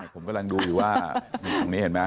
ผมกำลังดูอยู่ว่าอยู่ตรงนี้เห็นไหม